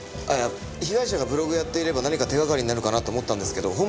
いや被害者がブログをやっていれば何か手掛かりになるかなと思ったんですけど